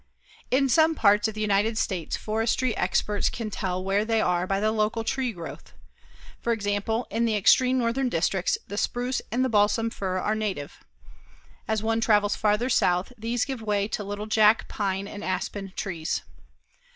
In some parts of the United States forestry experts can tell where they are by the local tree growth. For example, in the extreme northern districts the spruce and the balsam fir are native. As one travels farther south these give way to little Jack pine and aspen trees.